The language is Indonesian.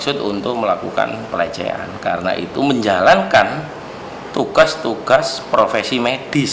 sidang komisi etik majelis kehormatan etik kedokteran hari sabtu lalu